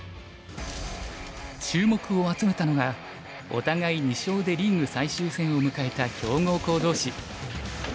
注目を集めたのがお互い２勝でリーグ最終戦を迎えた強豪校同士。